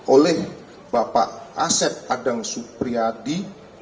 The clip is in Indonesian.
oleh bapak asep adang supriyadi